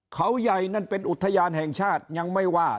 เขาใหญ่นั่นเป็นอุทยานแห่งชาติยังไม่ว่า